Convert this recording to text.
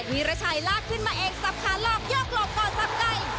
วิรชัยลากขึ้นมาเองสับขาหลอกโยกหลอกก่อนสับไก่